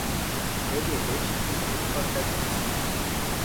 Trebuie deci să fim foarte atenți.